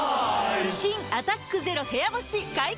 新「アタックＺＥＲＯ部屋干し」解禁‼